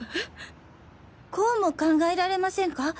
こうも考えられませんか？